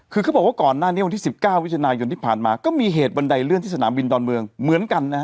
คือเขาบอกว่าก่อนหน้านี้วันที่๑๙วิทยุนายนที่ผ่านมาก็มีเหตุบันไดเลื่อนที่สนามบินดอนเมืองเหมือนกันนะฮะ